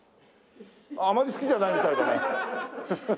あまり好きじゃないみたいだね。